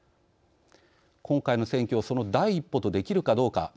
今回の選挙をその第一歩とできるかどうか。